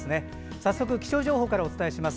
早速、気象情報からお伝えします。